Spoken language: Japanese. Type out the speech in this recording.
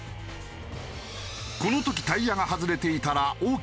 この時タイヤが外れていたら幸い